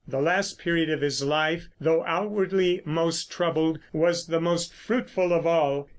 The last period of his life, though outwardly most troubled, was the most fruitful of all.